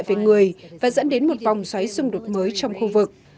về người và dẫn đến một vòng xoáy xung đột mới trong khu vực